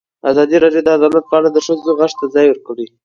ازادي راډیو د عدالت په اړه د ښځو غږ ته ځای ورکړی.